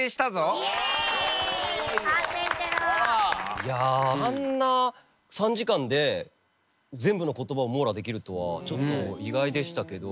いやあんな３時間で全部の言葉を網羅できるとはちょっと意外でしたけど。